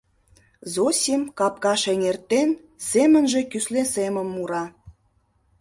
Зосим, капкаш эҥертен, семынже кӱсле семым мура.